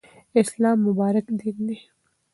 اسلام مبارک دین دی.